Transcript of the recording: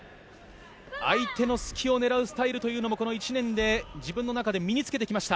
相手の隙を見つけるスタイルもこの１年で自分の中で身に着けてきました。